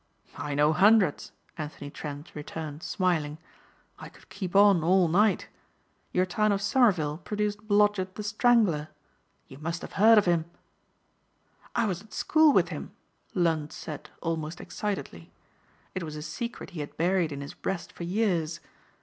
"I know hundreds," Anthony Trent returned smiling. "I could keep on all night. Your town of Somerville produced Blodgett the Strangler. You must have heard of him?" "I was at school with him," Lund said almost excitedly. It was a secret he had buried in his breast for years.